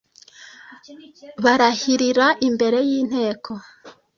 barahirira imbere y’ inteko